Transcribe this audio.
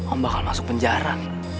om bakal masuk penjara